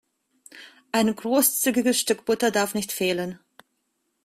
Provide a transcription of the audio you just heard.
Ein großzügiges Stück Butter darf nicht fehlen.